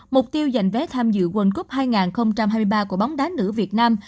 mục tiêu giành vé tham dự world cup hai nghìn hai mươi ba của bóng đá nữ việt nam